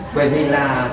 bởi vì là